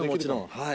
はい。